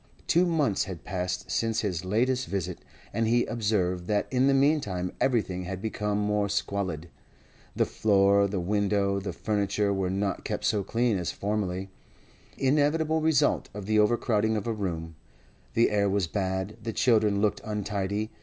Two months had passed since his latest visit, and he observed that in the meantime everything had become more squalid. The floor, the window, the furniture, were not kept so clean as formerly—inevitable result of the overcrowding of a room; the air was bad, the children looked untidy.